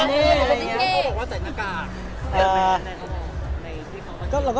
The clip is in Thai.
เอ้ยพี่แล้วเปราะ